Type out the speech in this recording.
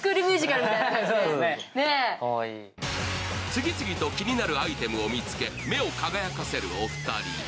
次々と気になるアイテムを見つけ、目を輝かせるお二人。